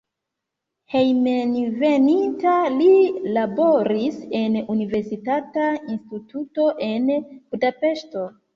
Hejmenveninta li laboris en universitata instituto en Budapeŝto.